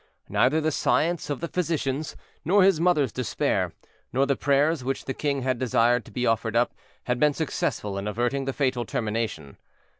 Neither the science of the physicians, nor his mother's despair, nor the prayers which the king had desired to be offered up, had been successful in averting the fatal termination.